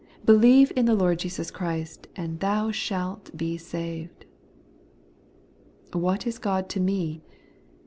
' Be lieve in the Lord Jesus Christ, and thou shalt be saved/ What is God to me